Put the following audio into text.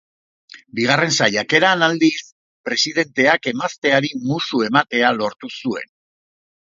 Bigarren saiakeran, aldiz, presidenteak emazteari musu ematea lortu zuen.